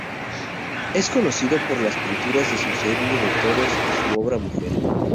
Es conocido por las pinturas de su Serie de Toros y su obra "Mujer".